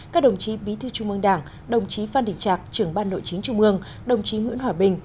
các đồng chí bí thư trung mương đảng đồng chí phan đình trạc trưởng ban nội chính trung ương đồng chí nguyễn hòa bình